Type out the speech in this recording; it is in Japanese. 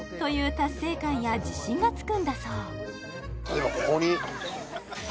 達成感や自信がつくんだそう